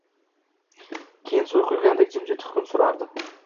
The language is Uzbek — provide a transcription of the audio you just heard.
Keyin suv quygandek jimjitlik hukm surardi